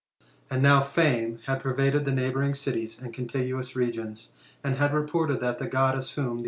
" And now ^me had pervaded the neighbouring cities and eoottguous regions, and had reported that the Goddeiss whom 8 i,g.